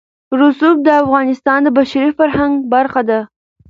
رسوب د افغانستان د بشري فرهنګ برخه ده.